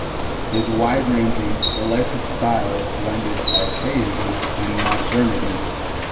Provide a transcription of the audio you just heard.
His wide-ranging, eclectic style blended archaism and modernity.